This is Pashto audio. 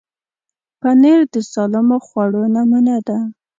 پنېر د سالمو خوړو نمونه ده.